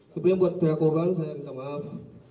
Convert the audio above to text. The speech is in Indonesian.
sebenarnya buat pihak korban saya minta maaf